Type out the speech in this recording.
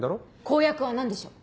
公約は何でしょう？